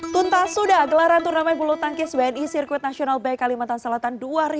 tuntas sudah gelaran turnamen bulu tangkis bni circuit national by kalimantan selatan dua ribu dua puluh tiga